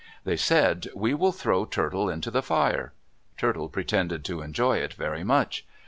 They said, "We will throw Turtle into the fire." Turtle pretended to enjoy it very much.